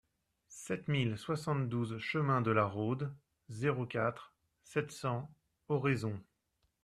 sept mille soixante-douze chemin de la Rhôde, zéro quatre, sept cents, Oraison